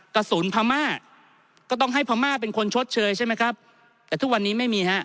กระสุนพม่าก็ต้องให้พม่าเป็นคนชดเชยใช่ไหมครับแต่ทุกวันนี้ไม่มีฮะ